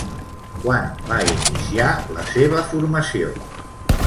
Quan va iniciar la seva formació?